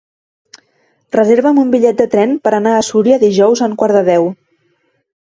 Reserva'm un bitllet de tren per anar a Súria dijous a un quart de deu.